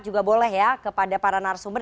juga boleh ya kepada para narasumber